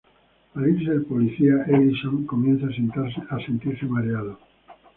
Al irse el policía, Ellison comienza a sentirse mareado.